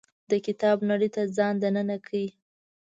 د کتاب نړۍ ته ځان دننه کړي.